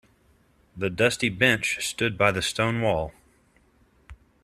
The dusty bench stood by the stone wall.